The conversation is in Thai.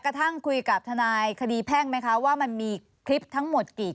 กระทั่งคุยกับทนายคดีแพ่งไหมคะว่ามันมีคลิปทั้งหมดกี่